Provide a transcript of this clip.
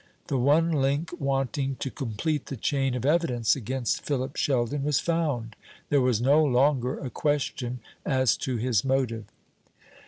The one link wanting to complete the chain of evidence against Philip Sheldon was found. There was no longer a question as to his motive.